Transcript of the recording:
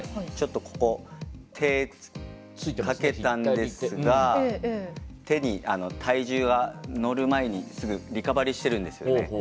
ちょっと、ここ手つきかけたんですが手に体重が乗る前にすぐリカバリーしているんですよね。